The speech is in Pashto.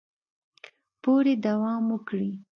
پورې دوام وکړي